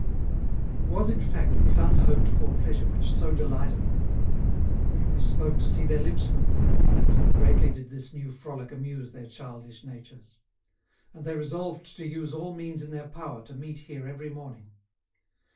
It was, in fact, this unhoped for pleasure which so delighted them. They only spoke to see their lips move, so greatly did this new frolic amuse their childish natures. And they resolved to use all means in their power to meet here every morning.